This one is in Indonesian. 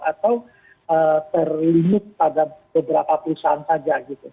atau terlinut pada beberapa perusahaan saja gitu